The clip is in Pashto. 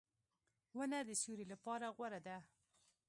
• ونه د سیوری لپاره غوره ده.